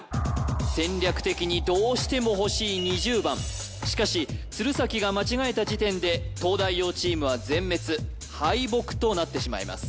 戦略的にどうしても欲しい２０番しかし鶴崎が間違えた時点で東大王チームは全滅敗北となってしまいます